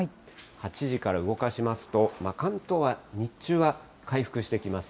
８時から動かしますと、関東は日中は回復してきます。